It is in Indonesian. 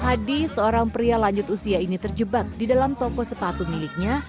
hadi seorang pria lanjut usia ini terjebak di dalam toko sepatu miliknya